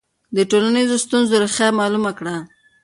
د ټولنیزو ستونزو ریښه معلومه کړه.